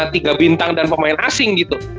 tiga bintang dan pemain asing gitu